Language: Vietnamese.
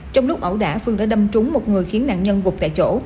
trong lúc ẩu đả phương đã đâm trúng một người khiến nạn nhân gục tại chỗ